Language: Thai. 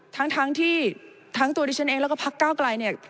ทั้งที่ทั้งตัวดิฉันเองแล้วก็พักก้าวไกลเนี่ย